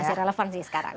masih relevan sih sekarang